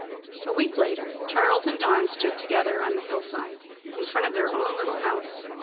A week later Charles and Dawn stood together on the hillside, in front of their own little house.